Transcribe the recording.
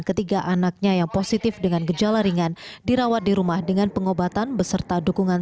ketiga anaknya yang positif dengan gejala ringan dirawat di rumah dengan pengobatan beserta dukungan